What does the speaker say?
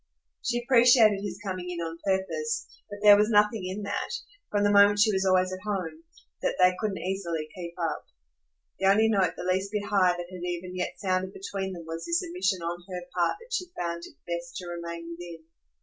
She appreciated his coming in on purpose, but there was nothing in that from the moment she was always at home that they couldn't easily keep up. The only note the least bit high that had even yet sounded between them was this admission on her part that she found it best to remain within.